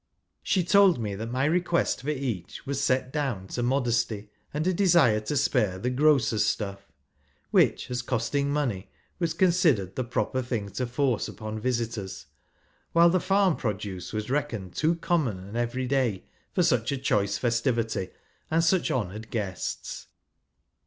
She told me, that my request for each was set down to modesty and a desire to spai'e the "grocer's stuff," which, as costing money, was considered the proper thing to force upon visitors, while the farm produce (: was reckoned too common and every day for I such a choice festivity and such honoured I I guests.